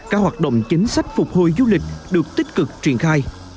các hoạt động chính sách phục hồi du lịch được tích cực triển khai